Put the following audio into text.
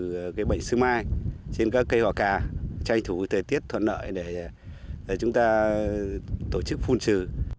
đặc biệt là bệnh xương mai trên các cây hoa cà cho anh thú thời tiết thuận lợi để chúng ta tổ chức phun trừ